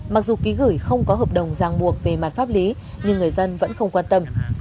mặc dù ký gửi không có hợp đồng giang buộc về mặt pháp lý nhưng người dân vẫn không quan tâm